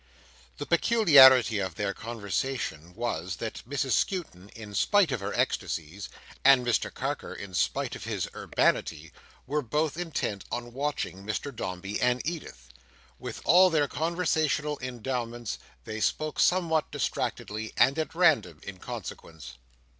The peculiarity of their conversation was, that Mrs Skewton, in spite of her ecstasies, and Mr Carker, in spite of his urbanity, were both intent on watching Mr Dombey and Edith. With all their conversational endowments, they spoke somewhat distractedly, and at random, in consequence.